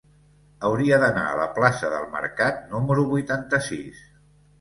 Hauria d'anar a la plaça del Mercat número vuitanta-sis.